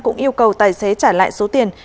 cũng yêu cầu tài xế trả lại số tiền